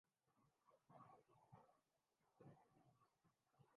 مو لانا مودودی کے خلاف اٹھائی گی۔